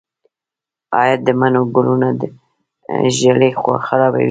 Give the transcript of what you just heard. آیا د مڼو ګلونه ږلۍ خرابوي؟